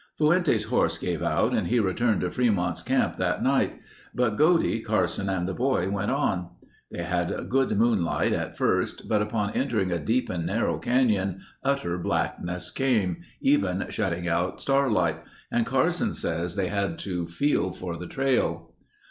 Fuentes' horse gave out and he returned to Fremont's camp that night, but Godey, Carson, and the boy went on. They had good moonlight at first but upon entering a deep and narrow canyon, utter blackness came, even shutting out starlight, and Carson says they had to "feel for the trail."